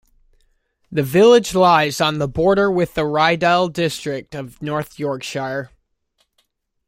The village lies on the border with the Ryedale district of North Yorkshire.